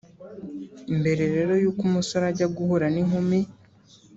Mbere rero y’uko umusore ajya guhura n’inkumi